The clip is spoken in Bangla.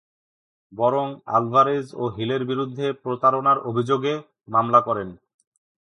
বরং আলভারেজ ও হিলের বিরুদ্ধে প্রতারণার অভিযোগে মামলা করেন।